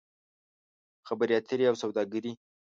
خبرې اترې او سوداګري